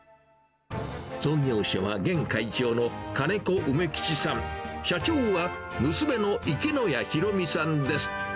創業者は現会長の金子梅吉さん、社長は娘の池野谷ひろみさんです。